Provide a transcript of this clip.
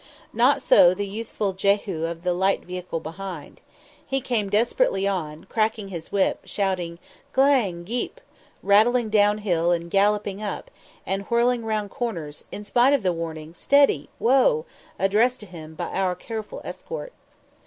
Not so the youthful Jehu of the light vehicle behind. He came desperately on, cracking his whip, shouting "G'lang, Gee'p," rattling down hill, and galloping up, and whirling round corners, in spite of the warning "Steady, whoa!" addressed to him by our careful escort.